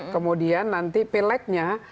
kemudian nanti pileknya